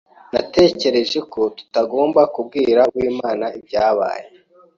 Natekereje ko tutagomba kubwira Uwimana ibyabaye.